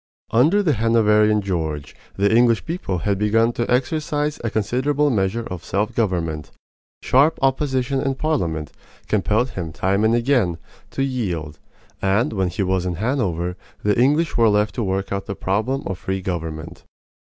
Under the Hanoverian George the English people had begun to exercise a considerable measure of self government. Sharp opposition in Parliament compelled him time and again to yield; and when he was in Hanover the English were left to work out the problem of free government.